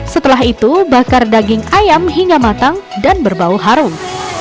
setelah itu bakar daging ayam hingga matang dan berbau harum